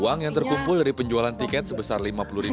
uang yang terkumpul dari penjualan tiket sebesar rp lima puluh